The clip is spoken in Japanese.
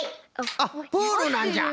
あっプールなんじゃ。